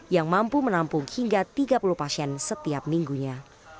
yang mampu menampung hingga tiga puluh pasien setiap minggunya